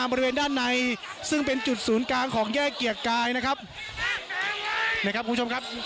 บริเวณด้านในซึ่งเป็นจุดศูนย์กลางของแยกเกียรติกายนะครับเนี่ยครับคุณผู้ชมครับ